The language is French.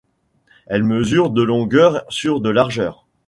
Elle mesure de longueur sur de largeur.